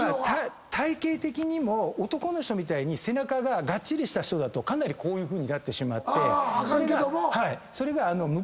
体形的にも男の人みたいに背中ががっちりした人だとかなりこういうふうになってしまってそれが。